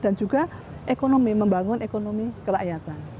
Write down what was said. dan juga ekonomi membangun ekonomi kerakyatan